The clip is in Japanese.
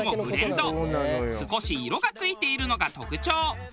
少し色がついているのが特徴。